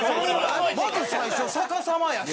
まず最初逆さまやし。